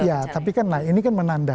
ya tapi kan ini menandakan